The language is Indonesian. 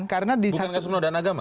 bukan kasus penodaan agama